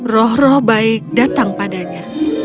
roh roh baik datang padanya